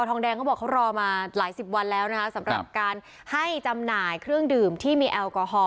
ทองแดงเขาบอกเขารอมาหลายสิบวันแล้วนะคะสำหรับการให้จำหน่ายเครื่องดื่มที่มีแอลกอฮอล